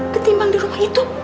ketimbang di rumah itu